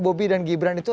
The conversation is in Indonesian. bobi dan gibran itu